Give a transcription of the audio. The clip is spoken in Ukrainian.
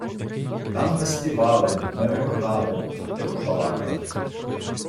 Там не співали, не реготали, а тихо балакали.